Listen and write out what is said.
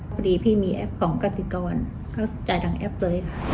ทีนี้พี่มีแอปของกฎกรรณค์ก็จ่ายทางแอปเลยค่ะ